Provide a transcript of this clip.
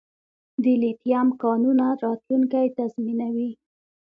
د لیتیم کانونه راتلونکی تضمینوي